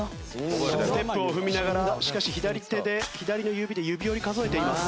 ステップを踏みながらしかし左手で左の指で指折り数えています。